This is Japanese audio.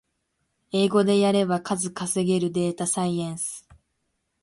英語でやれば数稼げるデータサイエンス